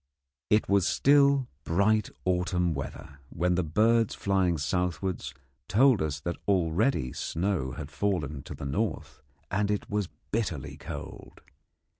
It was still bright autumn weather, when the birds flying southwards told us that already snow had fallen to the north, and it was bitterly cold.